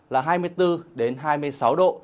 là hai mươi bốn hai mươi sáu độ